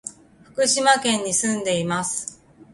福島県に住んでいます。